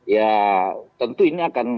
ya tentu ini akan